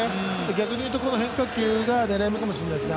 逆にいうと変化球が狙い目かもしれませんね。